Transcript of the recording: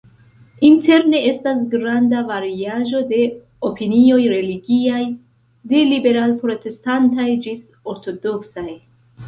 Interne estas granda variaĵo de opinioj religiaj: de liberal-protestantaj ĝis ortodoksaj.